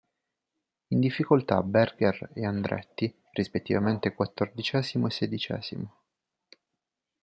In difficoltà Berger e Andretti, rispettivamente quattordicesimo e sedicesimo.